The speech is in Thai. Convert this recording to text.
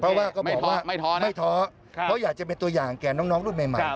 เพราะว่าก็บอกว่าไม่ท้อเพราะอยากจะเป็นตัวอย่างแก่น้องรุ่นใหม่